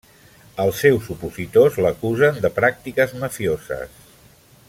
Els seus opositors l'acusen de pràctiques mafioses.